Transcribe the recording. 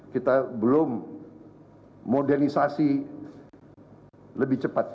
kita belum modernisasi lebih cepat